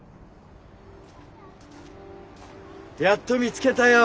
やっと見つけたよ